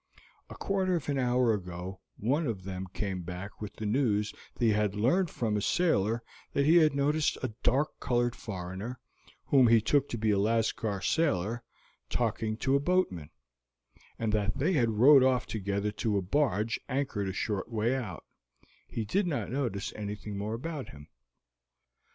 A quarter of an hour ago one of them came back with the news that he had learned from a sailor that he had noticed a dark colored foreigner, whom he took to be a Lascar sailor, talking to a boatman, and that they had rowed off together to a barge anchored a short way out; he did not notice anything more about him.